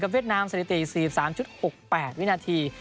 เวียดนามสถิติ๔๓๖๘วินาที